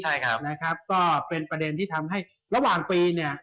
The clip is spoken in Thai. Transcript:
ใช่ครับนะครับก็เป็นประเด็นที่ทำให้ระหว่างปีเนี่ย